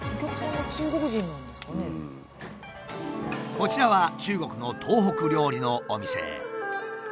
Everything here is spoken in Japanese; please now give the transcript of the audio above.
こちらは中国の東北料理のお店。